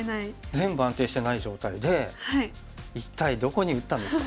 全部安定していない状態で一体どこに打ったんですか？